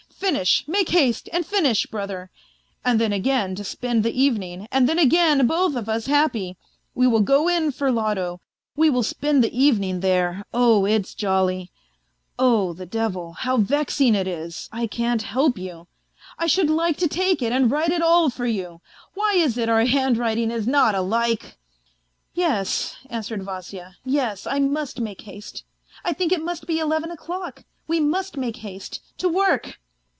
Finish, make haste and finish, brother. And then again to spend the evening, and then again both of us happy; we will go in for loto. We will spend the evening there oh, it's jolly ! Oh, the devil ! How, vexing it 174 A FAINT HEART Is I can't help you. I should like to take It and write it all for you. ... Why is it our handwriting is not alike ?"" Yes," answered Vasya. " Yes, I must make haste. I think it must be eleven o'clock ; we must make haste. ... To work